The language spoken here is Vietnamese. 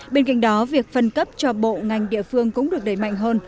bên cạnh đó việc phân cấp cho bộ ngành địa phương cũng được đẩy mạnh hơn